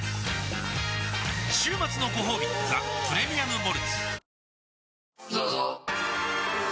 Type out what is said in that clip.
週末のごほうび「ザ・プレミアム・モルツ」